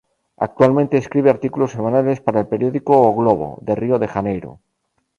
Actualmente escribe artículos semanales para el periódico O Globo, de Río de Janeiro.